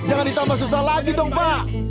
jangan ditambah susah lagi dong pak